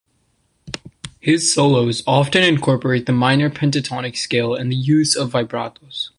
His solos often incorporate the minor pentatonic scale and the use of vibratos.